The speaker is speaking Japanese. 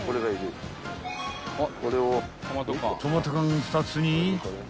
［トマト缶２つに］